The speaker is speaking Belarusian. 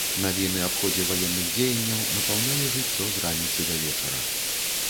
Навіны аб ходзе ваенных дзеянняў напаўнялі жыццё з раніцы да вечара.